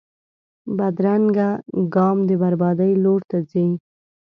بدرنګه ګام د بربادۍ لور ته ځي